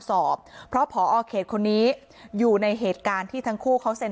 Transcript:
สอบเพราะพอเขตคนนี้อยู่ในเหตุการณ์ที่ทั้งคู่เขาเซ็น